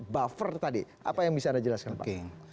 buffer tadi apa yang bisa anda jelaskan pak